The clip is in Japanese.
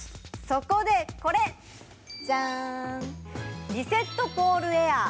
そこでこれ、ジャンーン、リセットポールエアー。